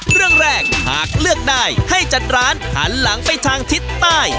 เรื่องแรกหากเลือกได้ให้จัดร้านหันหลังไปทางทิศใต้